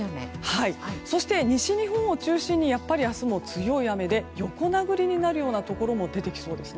そして、西日本を中心に明日も強い雨で、横殴りになるようなところも出てきそうです。